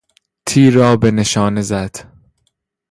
تیر را به نشانه زد.